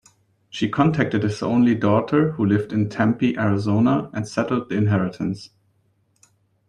She contacted his only daughter, who lived in Tempe, Arizona, and settled the inheritance.